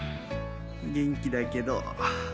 元気だけど。